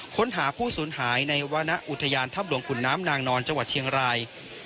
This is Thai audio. ค้นหาผู้สูญหายในวรรณอุทยานถ้ำหลวงขุนน้ำนางนอนจังหวัดเชียงราย